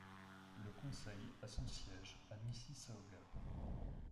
Le conseil a son siège à Mississauga.